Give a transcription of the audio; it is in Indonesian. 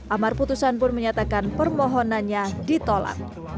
amar putusan pun menyatakan permohonannya ditolak